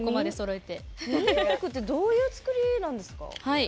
ミニ四駆ってどういう作りなんですか？